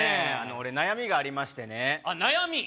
俺悩みがありましてねあっ悩み？